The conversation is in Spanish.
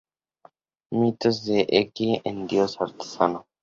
S. Kramer y John Maier, Mitos de Enki el dios artesano.